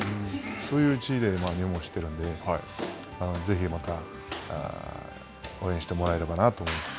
そういう地位で入門しているので、ぜひまた応援してもらえればなと思います。